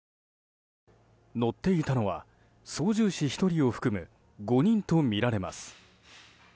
乗っていたのは操縦士１人を含む５人とみられます。